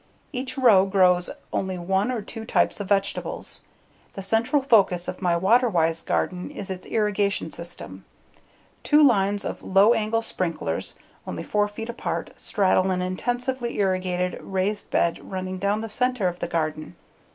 Each row grows only one or two types of vegetables. The central focus of my water wise garden is its irrigation system. Two lines of low angle sprinklers, only 4 feet apart, straddle an intensively irrigated raised bed running down the center of the garden.